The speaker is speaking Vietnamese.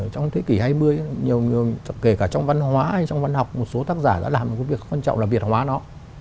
trong thế kỷ hai mươi kể cả trong văn hóa hay trong văn học một số tác giả đã làm một cái việc quan trọng là việt hóa nó